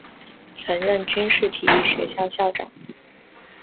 曾任军事体育学校校长。